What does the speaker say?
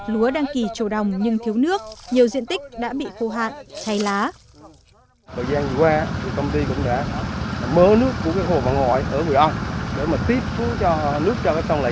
lúa đang kỳ trầu đồng nhưng thiếu nước nhiều diện tích đã bị khô hạn thay lá